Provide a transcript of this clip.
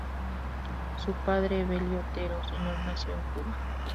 Su padre, Evelio Otero, Sr. nació en Cuba.